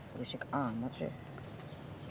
berisik amat sih